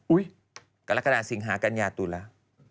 อุ๊ยกรรคดาสิงหากัญญาตุลา